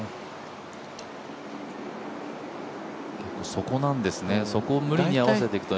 そこなんですね、そこを無理に合わせていくと。